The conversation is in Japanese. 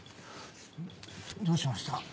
どうしました？